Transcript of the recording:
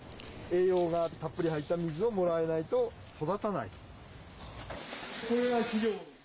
栄養がたっぷり入った水をもらわないと育たないと。